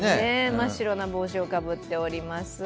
真っ白な帽子をかぶっております。